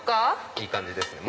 いい感じですね